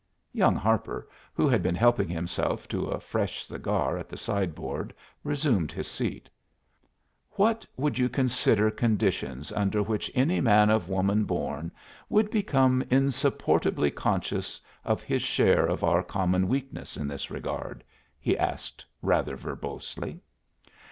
Young Harper, who had been helping himself to a fresh cigar at the sideboard, resumed his seat. "What would you consider conditions under which any man of woman born would become insupportably conscious of his share of our common weakness in this regard?" he asked, rather verbosely.